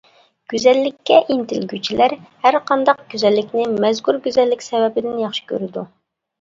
گۈزەللىككە ئىنتىلگۈچىلەر ھەرقانداق گۈزەللىكنى مەزكۇر گۈزەللىك سەۋەبىدىن ياخشى كۆرىدۇ.